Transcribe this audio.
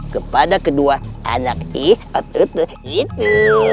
kepada kedua anak itu